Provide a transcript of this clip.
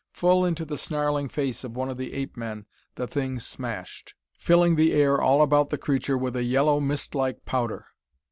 Full into the snarling face of one of the ape men the thing smashed, filling the air all about the creature with a yellow, mistlike powder.